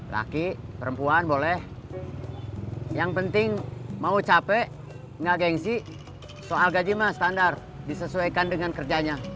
laki perempuan boleh yang penting mau capek nggak gengsi soal gaji mah standar disesuaikan dengan kerjanya